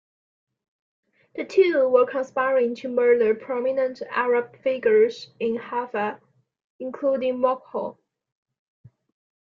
The two were conspiring to murder prominent Arab figures in Haifa, including Makhoul.